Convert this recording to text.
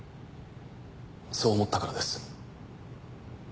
そう思ったからです。